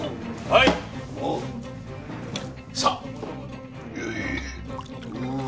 はい！さあ！